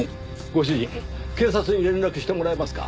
ご主人警察に連絡してもらえますか？